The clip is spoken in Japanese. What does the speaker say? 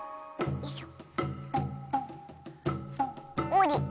よいしょ。